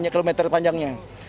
sembilan ratus km panjangnya